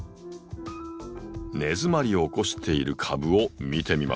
根詰まりを起こしている株を見てみましょう。